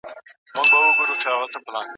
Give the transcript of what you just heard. نه مالونه به خوندي وي د خانانو